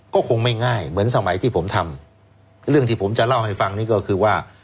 ก็คงไม่ง่ายเหมือนสมัยที่ผมทำเรื่องที่ผมจะเล่าให้ฟังนี้ก็คือว่า